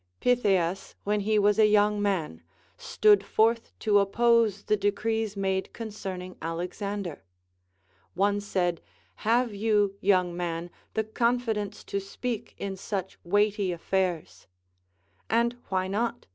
Pytheas, when he Avas a young man, stood forth to oppose the decrees made concerning Alexander. One said : Have you, young man, the confidence to speak in such Aveighty affairs ? And Avhy not